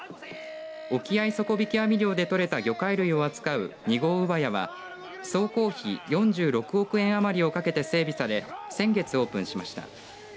沖合底引き網漁で取れた魚介類を扱う２号上屋は総工費４６億円余りをかけて整備され先月オープンしました。